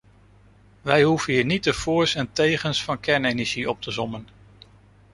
Wij hoeven hier niet de voors en tegens van kernenergie op te sommen.